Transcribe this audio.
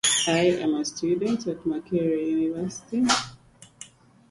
Another difference is the assignment between bibliographical elements and fields.